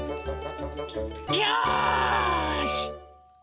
よし！